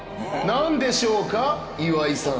何でしょうか、岩井さん。